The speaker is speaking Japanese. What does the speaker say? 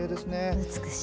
美しい。